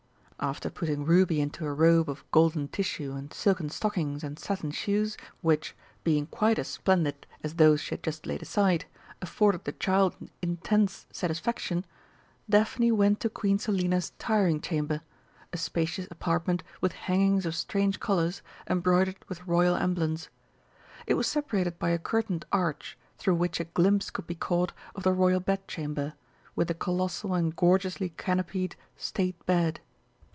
After putting Ruby into a robe of golden tissue and silken stockings and satin shoes, which, being quite as splendid as those she had just laid aside, afforded the child intense satisfaction, Daphne went to Queen Selina's Tiring Chamber a spacious apartment with hangings of strange colours embroidered with Royal emblems. It was separated by a curtained arch, through which a glimpse could be caught of the Royal Bedchamber, with the colossal and gorgeously canopied State bed.